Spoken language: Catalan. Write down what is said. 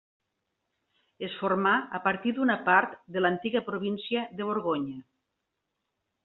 Es formà a partir d'una part de l'antiga província de Borgonya.